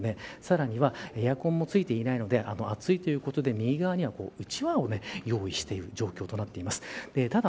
さらにはエアコンもついていないので暑いということで右側にはうちわを用意している状況となっています。